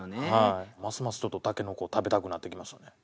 ますますちょっと筍を食べたくなってきましたね。